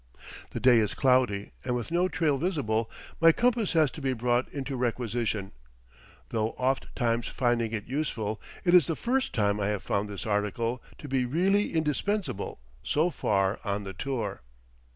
The day is cloudy, and with no trail visible, my compass has to be brought into requisition; though oft times finding it useful, it is the first time I have found this article to be really indispensable so far on the tour.